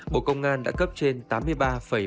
bộ công an tổ chức hội nghị trực tuyến toàn quốc